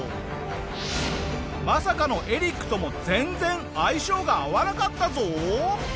まさかのエリックとも全然相性が合わなかったぞ。